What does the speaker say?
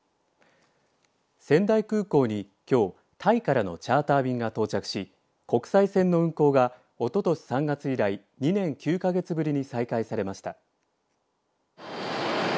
仙台空港に、きょうタイからのチャーター便が到着し国際線の運航がおととし３月以来２年９か月ぶりに再開されました。